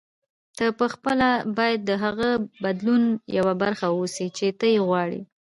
ته پخپله باید د هغه بدلون یوه برخه اوسې چې ته یې غواړې.